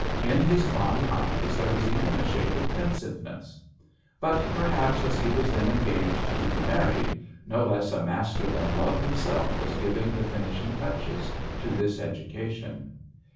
In his fine eyes there was even a shade of pensiveness ; but, perhaps, as he was then engaged to be married, no less a master than Love himself was giving the finishing touches to this education.